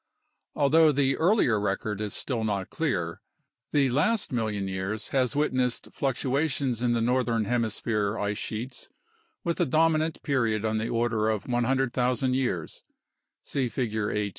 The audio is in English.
Although the earlier record is still not clear, the last million years has witnessed fluctuations in the northern hemisphere ice sheets with a dominant period on the order of 100,000 years (see Figure A.